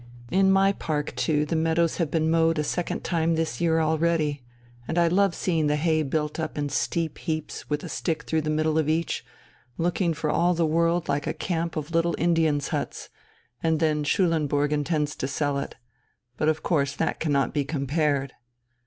In my park too the meadows have been mowed a second time this year already, and I love seeing the hay built up in steep heaps with a stick through the middle of each, looking for all the world like a camp of little Indians' huts, and then Schulenburg intends to sell it. But of course that cannot be compared